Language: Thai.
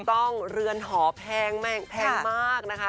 ถูกต้องเรือนหอแพงแม่งแพงมากนะคะ